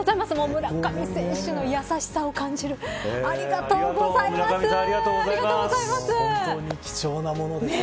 村上選手の優しさを感じるありがとうございます。